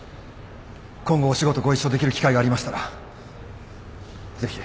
今後お仕事ご一緒できる機会がありましたらぜひ。